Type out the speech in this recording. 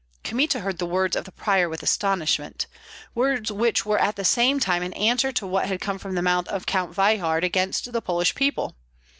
Kmita heard the words of the prior with astonishment, words which were at the same time an answer to what had come from the mouth of Count Veyhard against the Polish people.